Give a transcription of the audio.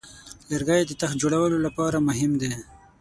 لرګی د تخت جوړولو لپاره مهم دی.